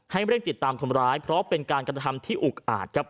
เร่งติดตามคนร้ายเพราะเป็นการกระทำที่อุกอาจครับ